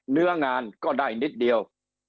เนื้องานก็ได้นิดเดียว